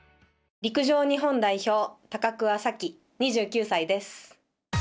陸上日本代表高桑早生、２９歳です。